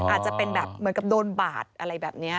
อาจจะเป็นแบบเหมือนกับโดนบาดอะไรแบบนี้